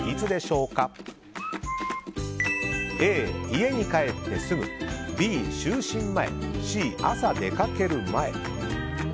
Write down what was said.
Ａ、家に帰ってすぐＢ、就寝前Ｃ、朝出かける前。